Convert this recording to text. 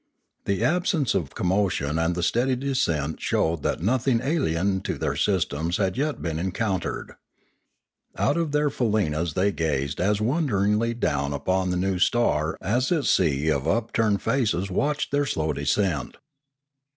The absence of commotion and the steady descent showed that nothing alien to their systems had yet been en countered. Out of their faleenas they gazed as won deringly down upon the new star as its sea of upturned faces watched their slow descent.